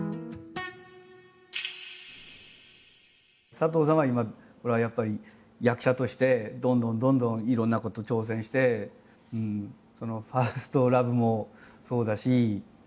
佐藤さんは今ほらやっぱり役者としてどんどんどんどんいろんなこと挑戦して「ＦｉｒｓｔＬｏｖｅ」もそうだし。